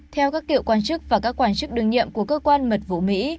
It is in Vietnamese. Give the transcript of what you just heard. theo các cựu quan chức và các quan chức đường nhiệm của cơ quan mật vụ mỹ